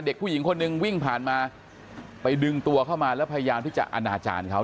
เด็กผู้หญิงคนหนึ่งวิ่งผ่านมาไปดึงตัวเข้ามาแล้วพยายามที่จะอนาจารย์เขา